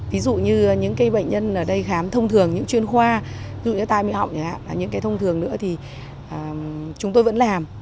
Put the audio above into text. ví dụ như những cái bệnh nhân ở đây khám thông thường những chuyên khoa ví dụ như tai mũi họng chẳng hạn những cái thông thường nữa thì chúng tôi vẫn làm